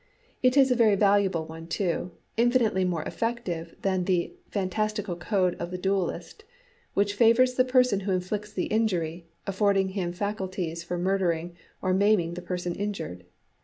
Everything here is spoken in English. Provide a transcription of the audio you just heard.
It is a very valuable one too, infinitely more effective than the fantastical code of the duellist, which favours the person who inflicts the injury, affording him facilities for murdering or maiming the person injured.